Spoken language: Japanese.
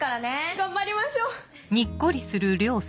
頑張りましょう！